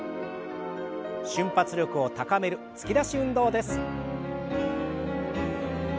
瞬発力を高める突き出し運動です。